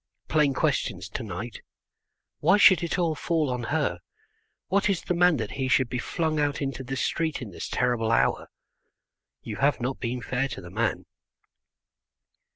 Plain questions to night. "Why should it all fall on her? What is the man that he should be flung out into the street in this terrible hour? You have not been fair to the man."